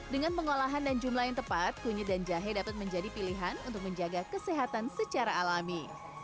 dengan pengolahan dan jumlah yang tepat kunyit dan jahe dapat menjadi pilihan untuk menjaga kesehatan secara alami